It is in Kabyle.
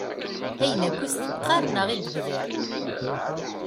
Ayen akk i as-teqqar neɣ i d-tebder.